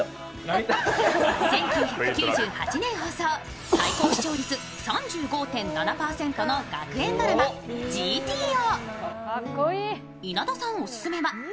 １９９８年放送、最高視聴率３５．７％の学園ドラマ「ＧＴＯ」。